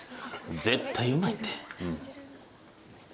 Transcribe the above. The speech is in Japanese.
絶対うまいって。